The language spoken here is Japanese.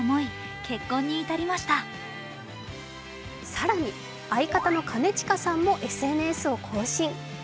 更に、相方の兼近さんもＳＮＳを更新。